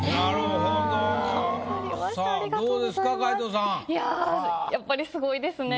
さぁどうですか？